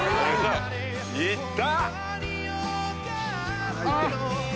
・・いった！